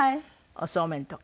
おそうめんとか？